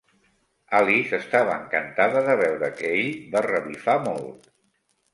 Alice estava encantada de veure que ell va revifar molt.